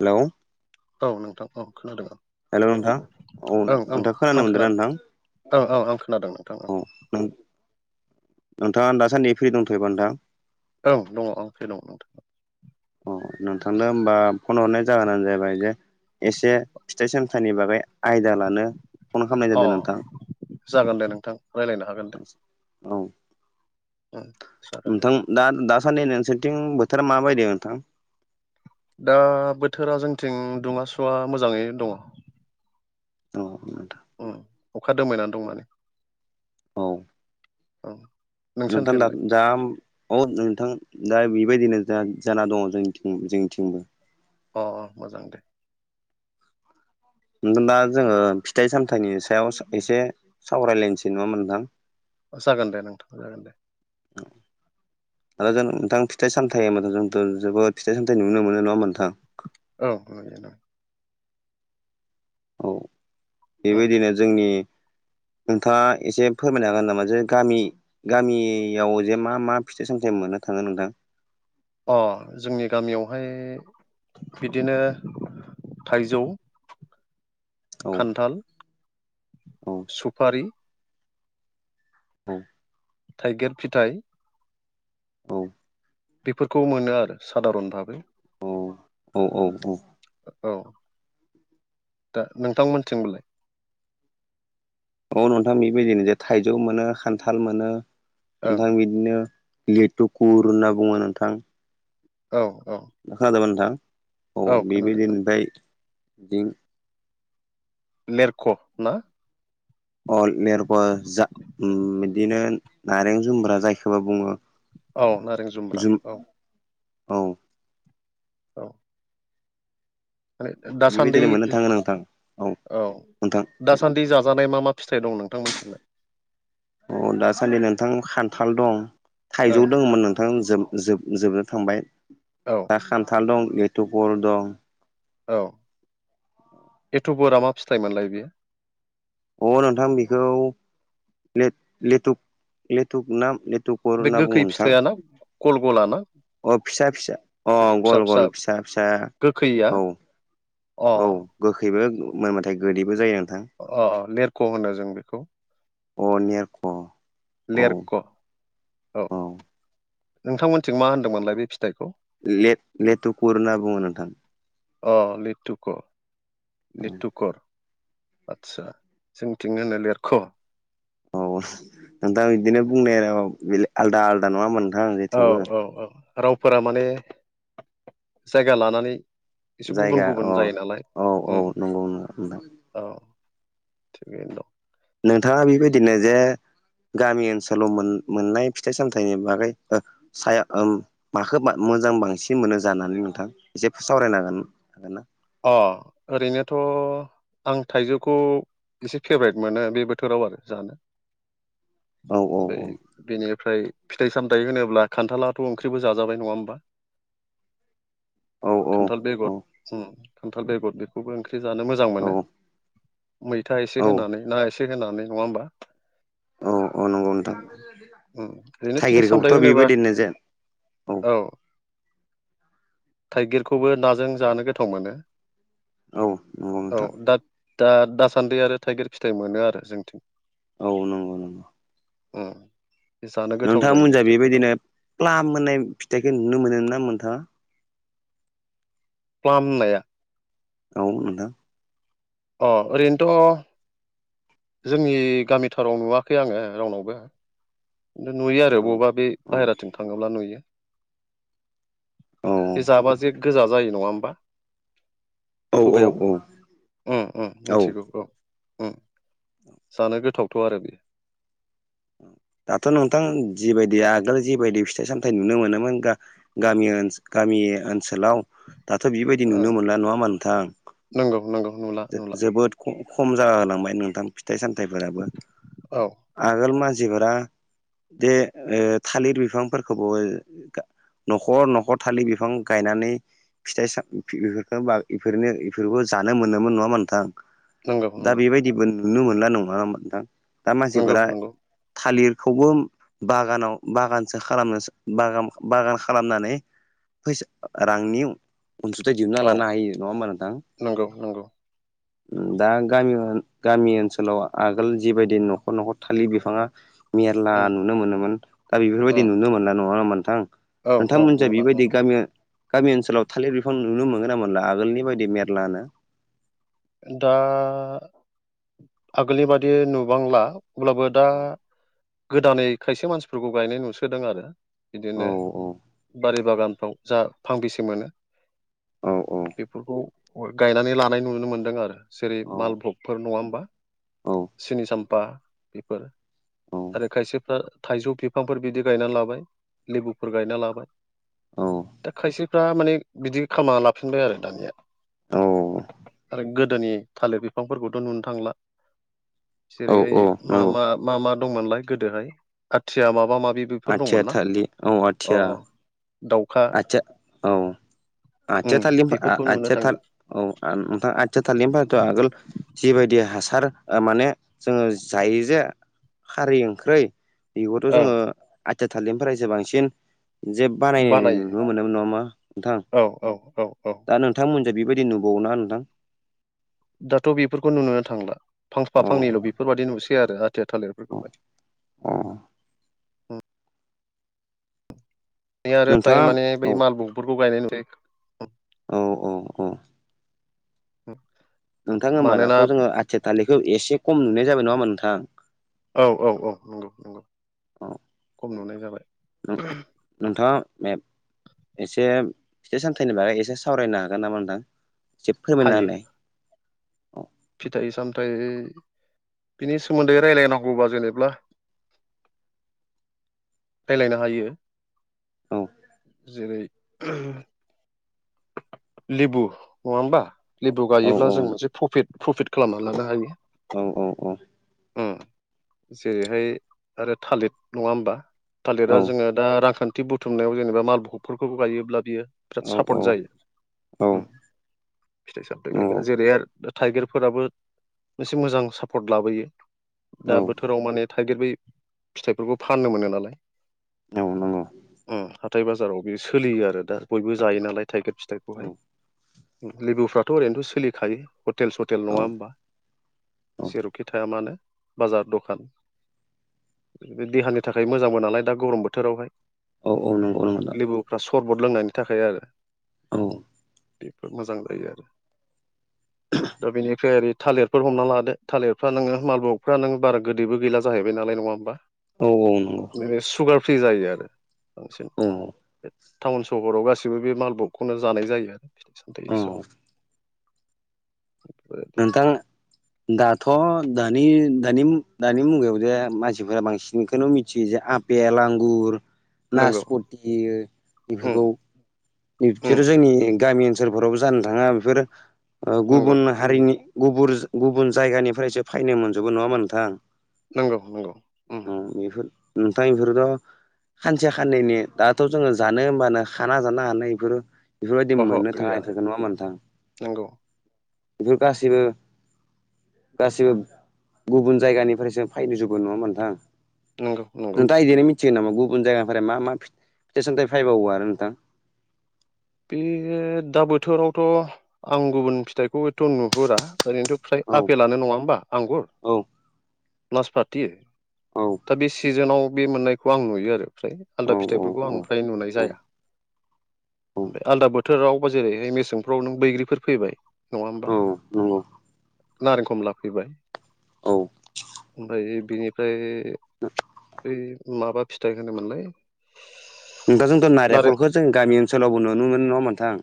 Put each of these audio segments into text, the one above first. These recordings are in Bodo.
हेलौ। औ नोंथां औ खोनादों। हेलौ नोंथां औ ओं ओं नोंथाङा खोनानो आं मोनदोंना नोंथां खोनादों ओं ओं आं खोनादों नोंथांङा औ नोंथाङा दासान्दि फ्रि दंथैबा नोंथां। ओंङ आं फै दङ नोंथां। अ नोंथांनो होमबा फन हरनाय जाहोनानो जाहैबाय जे एसे फिथाइ सामथानि बागै। आयदा लानो फन खालामनाय अ जादों नोंथां। जागोन दे नोंथां रायज्लायनो हागोन दे। औ। औ। नोंथां दा दासान्दि नोंसोरथिं बोथोरा मा बायदों नोंथां। दा बोथोरा जोंथिं दुङाासुवा मोजाङै दङ। औ द उ अखा दोमायनानै दं माने। औ। [inaudible] नोंथां दा। नोंसोरनिथिंलाय दा औ नोंथां दा बेबायदिनो जाना दङ जोंनिं जोंनिथिंबो। अ अ मोजां दे। नथ दा जोङो फिथाइ सामथाइनि सायाव एसे सावरायलायनोसै नङामोन नोंथां। जागोन दे नोंथां जागोन दे। औ। दा जोंथां फिथ सथथाय मथ जोंथ' जोबोद फिथ सामथथाय नुनो मोनो नङा नोंथां। औ न औ उम बेबायदिनो जोंनि। नोंथाङा एसे फोरमायनो हागोन नामा जे गामि। गामियाव जे मा मा फिथाइ सामथायाइ मोननो थाङो नोंथां। अ जोंनि गामियावहाय बिदिनो थाइजौ, औ खान्थाल औ सुफारि औ थाइगिर फिथाइ औ बेफोरखौ मोनो आरो साधारन भाबै औ औ औ औ औ दा नोंथांमोनथिंबोलाय औ नोंथां बेबायदिनो जे थाइजौ मोनो खान्थाल मोनो ओं नोंथां बिदि बिदिनो लेथु कुर होनना बुङो नोंथां औ औ [unintelligible] नोंथां औ खोनादों बेबायदि औ ओमफ्राय बिदिं लिरख' ना अ लेरग जा बिदिनो नारें जुम्ब्रा जायखौबो बुङो औ नारें जुमब्रा जुम औ औ औ माने दासान्दि बेबायदिनो मोननो थाङो नोंथां औ नोंथां दासान्दि जाजानाय मा मा फिथाइ दं नोंथांमोनथिलाय अ दासान्दि नोंथां खान्थाल दं ओं थाइजौ दङमोन नोंथां जोब जोब जोबनो थांबाय औ दा खान्थाल दं लेथु गर दं औ एथ' बोर मा फिथाइमोनलाय बियो अ नोंथां बेखौ लेथु लेथुक नाम लेथुक बे होनना बुङो गोखै नोंथां फिथाइ ना गल गल ना अ फिसा फिसा अ गल गल फिसा फिसा गोखैया औ अ औ गोखैबो मोनब्लााथाय गोदैबो जायो नोंथां अ लेरख' होनो जों बेखौ अनेरख लेरख' औ औ नोंथांमोनथिं मा होनदोंमोनलाय बे फिथाइखौ ले लेथुकर होनना बुङो नोंथां अ लिटुक लिटुकर आदसा जोंथिं होनो लिरख' औ नोंथां बिदिनो बुंनाय आलदा आलदा नङा होम औ औ औ रावफोरा माने जायगा लानानै एसे गुबुन जायगा अ गुबुन जायो नालाय औ औ नंगौ नोंथां औ थिगैनो दं नोंथाङा बेबायदिनो जे गामि ओनसोलाव मोन मोननाय फिथाइ सामथाइनि बागै साया माखो मोजां बांसिन मोनो जानानै नोंथां एसे सावरायनो हागोन हागोन ना अ ओरैनोथ' आं थाइजौखौ एसे फेभरेट मोनो बे बोथोराव आरो जानो औ औ बै औ बेनिफ्राय फिथाइ सामथाइ होनोब्ला खान्थालाथ' ओंख्रिबो जाजाबाय नङा होमबा [inaudible] औ खान्थाल बेगर खान्थाल बेगर बेखौबो ओंख्रि जानो मोजां औ मोनो मैथा एसे होनानै ना एसे होनानै नङा होमबा औ औ नंगौ नोंथां ओरैनो फिथाइ थाइगिरखौथ' सामथाइ होनोबा बेबायदिनो जेन औ थाइगिरखौबो नाजों जानो गोथाव मोनो औ नंगौ औ नोंथां दा दा दासान्दि आरो थाइगिर फिथाइ मोनो आरो जोंथिं औ नंगौ नंगौ। जानो गोथाव जायो नोंथांमोनजा बेबायदिनो ओंख्रिफोराव प्लाम मोननाय फिथाइखौ नुनो मोनो ना मोनथाङा? प्लाम होननाया औ नोंथां। अ ओरैनोथ' जोंनि गामिथाराव नुवाखै आङो रावनावबो खिन्थु नुयो आरो औ बबावबा बे औ बाहेराथिं थाङोब्ला नुयो। औ बे जाबा जे गोजा जायो नङा होमबा! औ औ खुगायाव औ औ मिथिगौ औ। जानो गोथावथ' आरो बियो। दाथ' नोंथां जिबायदि आगोल जिबायदि फिथाइ सामथायाइ नुनो मोनोमोन बा गामि ओ गामि ओनसोलाव दाथ' बिबायदि ओं नुनो मोनला नङामा नंगौ नंगौ नुला नोंथां नुला जोबोद खम जाहोलांबाय नोंथां फिथाइ सामथाइफोराबो औ। आगोल मानसिफोरा बे थालिर बिफांफोरखौबो नखर नखर थालिर बिफां गायनानै फिथाइ स बेफोरफोरखौ ब इफोरनो बेफोरखौ जानो मोनोमोन नङामोन नोंथां? नंगौ दा नंगौ बेबायदिबो नुनो मोनला नङा ना नोंथां दा नंगौ मानसिफोरा नंगौ थालिरखौबो बागानाव बागानसो खालामनोागान बागान खालामनानै फैसा रांनि अनसुंथाइ दिहुनना औ लानो हायो नङा होमबा नोंथां? नंगौ नंगौ दा गाम गामि ओनसोलाव आगोल जिबायदि न'खर न'खर खालि बिफाङा मेरला उम नुनो मोनोमोन दा बेफोरबायदि उम नुनो मोनना नङा होमबा नोंथां? औ औ नोंथांमोनजों नुला औ बेबायदि गामि गामि ओनसोलाव थालिर बिफां नुनो मोनगोन ना मोनला आगोलनि बायदि मेरलानो दा आगोलनि बादि नुबांला अब्लाबो दा औ गोदानै खायसे मानसिफोरखौ गायनाय नुसोदों आरो औ बिदिनो बारि बागानफ्राव जा फांबेसे मोनो औ औ। बेफोरखौ गायनानै लानाय नुनो मोनदों आरो जेरै औ माल भ्लगफोर नङा होमबा सिनि साम्फा बेफोर औ आरो खायसेफ्रा थाइजौ बिफांफोर बिदि गायना लाबाय लेबुफोर गायना लाबाय औ दा खायसेफ्रा माने बिदि खालामामना लाफिनबाय आरो दानिया औ। आरो गोदोनि थालिर बिफांफोरखौथ' नुनो थांला औ जेरैहाय औ मा नंगौ। मा मा मा दंमोनलाय गोदोहाय आथिया माबा माबि बेफोर आचया दंमोन ना थालि औ आचया अ दाउखा आथिया औ आथिया उम थालिर बेफोरखौ नुनो आथिया थालि थांला औ नोंथां आथिया थालि होनबाथ' आगोल जिबायदि हासार माने जोङो जायो जे खारै ओंख्रै बेखौथ' औ जोङो आथि थालिरनिफ्राय जो बांसिन जे बानायनाय बानायो नुनो मोननायबो नङामा नोंथां औ औ औ औ दा नोंथांमोनजों बेबायदि नुबाव ना नोंथां? दाथ' बेफोरखौ नुोनो थांला फांफा औ फांनैल' बेफोरबायाददि नुसै आरो आथिया थालिरफोरखौहाय उम। बे आरो फ्राय नोंथाङा माने बै औ मालबगफोरखौ गायनाय नु औ औ औ। [inaudible] नोंथां होमबा मानोना दाथ' जोङो आथिया थालिखौ एसे खम नुनाय जाबाय नङा होमा नोंथां? औ औ औ नंगौ नंगौ खम नुनाय औ जाबाय। नोंथाङा मे एसे फिथाइ सामथाइनि बागै एसे सावरायनो हागोन नामा नोंथां से फोरमायना हायो होलाय फिथाइ सामथाइ बिनि सोमोन्दै रायलायनांगौबा जेनेब्ला रायलायनो हायो जेरै लेबु नङा होमबा लेबु औ गायोब्ला औ जों मोनसे प्रफिट प्रफिट खालामनानै लानो हायो औ औ औ उम जेरैहाय आरो थालिर नङा होमबा थालिरा जोङो दा रांखान्थि बुथुमनायाव जेनेबा मालफबफोरखौ गायोब्ला बियो पट जायो फिथाइ सामथाय औ गायबा जेरै आरो थाइगिरफोराबो मोनसे मोजां सापर्ट लाबोयो औ दा बोथोराव माने थाइगिर बै फिथाइफोरखौ फाननो मोनो नालाय औ नंगौ उम हाथाय बाजाराव बे सोलियो आरो दा बयबो जायो नालाय थाइगिर औ फिथाइखौहाय लेबुफ्राथ' ओरैनोथ' सोलिखायो हटेल सटेल औ नंगौ औ नङा होमबा औ जेरावखि थाया मानो बाजार दखान देहानि थाखाय मोजांबो नालाय दा गरम बोथोरावहाय औ औ नंगौ नों लेबुफ्रा सरबट लोंनायनि थाखाय आरो औ बेफोर मोजां जायो आरो [inaudible] दा बेनिफ्राय ओरै थालिरफोर हमना लादो थालिरफ्रा नोङो मालबगफ्रा नों बारा गोदैबो गैला जाहैबाय जानाय नङा होमबा औ औ नंगौ नोङो सुगार फ्रि जायो आरो बांसिन औ बे टाउन सहराव गासिबो बे माल बखौनो जानाय जायो आरो फिथाइ साम औ नोंथां दाथ' दानि दानि दानि मुगायाव जे मानसिफोरा बांसिनखौनो मिथियो जे आब बेल आंगुर नंगौ नासपथि उम बेफोरखौ [unintelligible] उम जोंनि गामि ओनसोलफोरावबो जानो थाङा बेफोरो नंगौ गुबुन हारिनि गुबुर गुबुन जायगानिफ्रायसो फायनो मोनजोबो नङा होनबा नोंथां नंगौ नंगौ उम औ बेफोर नोंथां इफोरखौ खानसे खाननैनि दाथ' जोङो जानो होमबानो खाना जानो हानाय बेफोरो बेफोरबायदि अह' मोननो थाङा गैया इफोरखौ नङा होनबा नोंथां नंगौ गासिबो गासि गुबुन जायगानिफ्रायसो फायजोबो नङा होनबा नोंथां नंगौ नंगौ नोंथां बिदिनो मिथिगोन नामा गुबुन जायगानिफ्राय मा मा फिथाइ सामथाइ फैबावो आरो नोंथां बे दा बोथोरावथ' आं गुबुन फिथाइखौ एथ' नुहुरा ओरैनोथ' फ्राय औ आफेलानो नङा होमबा आंगुर औ नासपाथि औ दा बे सिजोनाव बे मोननायखौ आं नुयो आरो फ्राय औ आलदा फिथाइफोरखौ आं फ्राय नुनाय जाया औ ओमफ्राय आलदा बोथोराव बा जेरैहाय मेसेंफ्राव नों बैग्रिफोर फैबाय नङा होमबा औ नंगौ नारें खमला फैबाय औ ओमफ्राय बिनिफ्राय बै माबा फिथाइ होनोमोनलाय नोंथा जोंथ' नारें नारेंखलखौ जों गामि ओनसोलावबो नुनो मोनो नङा होनबा नोंथां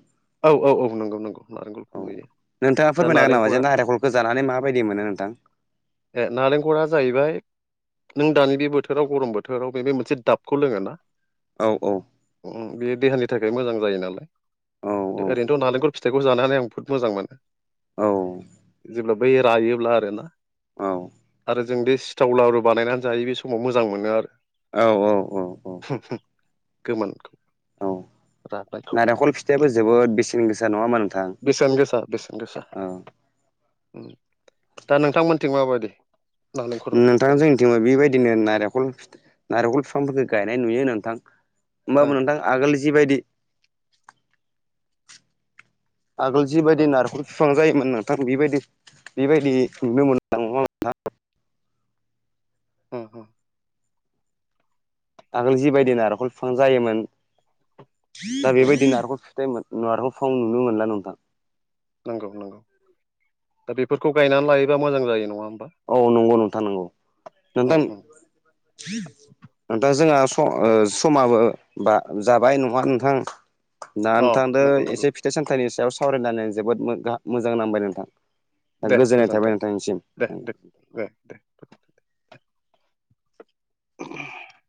औ औ औ नंगौ नंगौ नारेंगलखौ औ नुयो नोंथाङा दा फोरमायनो हागोन नामा नारेंखला जेनेबा नारेंखलखौ जानानै माबायदि मोनो नोंथां ए नारेंखला जाहैबाय नों दानि बे बोथोराव गरम बोथोराव बे मोनसे दाबखौ लोङो ना औ औ बे देहानि थाखाय मोजां जायो औ नालाय औ ओरैनोथ' नालेंखर फिथाइखौ जानानै आं बहुत मोजां मोनो औ जेब्ला बै रायोब्ला आरोना औ आरो जों बे सिथाव लारु बानायनानै जायो। बे सम समाव मोजां मोनो आरो। औ औ औ गोमोनखौ औ राय नारेंखल फिथाइाबो जबोद बेसेन गोसा नङामोन। बेसेन गोसा बेसेन गोसा दा नोंथांमोनथिं माबायदि? नालेंखर नोंथां ओरै जों जोङो बेबायदिनो नारेंख नारेंखल फिफांफोरखौ गायनाय नुयो नोंथां। ओं होमबाबो नोंथां आगोल जिबायदि आगोल औ जिबायदि नारखल बिफां जायोमोन नोंथां बेबायदि बेबायदि नुनो मोन नों ओं ओं आगोल जिबायदि नारेखल बिफां जायोमोन दा नंगौ बेबायदि नारेखल नारेखल बिफां नुनो मोनला नोंथां। नंगौ नंगौ दा बेफोरखौ गायनानै लायोबा मोजां जायो नङा होमबा? औ नंगौ नोंथां नंगौ उम नोंथां उम नोंथां जोंहा समा समाबो बा जाबाय नङा नोंथां। दा अ नंगौ नोंथांजों नंगौ एसे फिथाइ सामथाइनि सायाव सावरायनानै जोबोद मोजां मोजां नांबाय नोंथां। दे गोजोननाय थाबाय गोजोन्थों नोंथांनिसिम दे दे दे दे [inaudible]